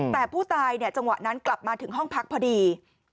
แต่ผู้ตายจังหวะนั้นกลับมาถึงห้องพักพอดี